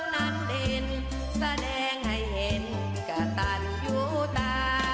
นั้นดินแสดงให้เห็นกระตันยูตา